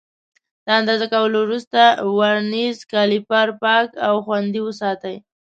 د اندازه کولو وروسته ورنیز کالیپر پاک او خوندي وساتئ.